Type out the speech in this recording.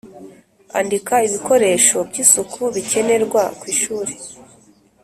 Andika ibikoresho by isuku bikenerwa ku ishuri